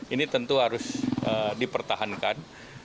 ini tentu harus dipertahankan